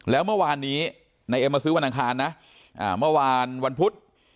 แล้วเมื่อวานนี้นายเอ็มมาซื้อวันอังคารนะเมื่อวานวันพุธ